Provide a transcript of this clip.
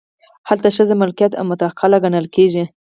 هلته ښځه ملکیت او متعلقه ګڼل کیږي.